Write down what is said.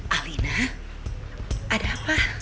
alina ada apa